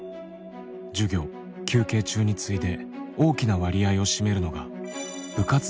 授業休憩中に次いで大きな割合を占めるのが部活動などです。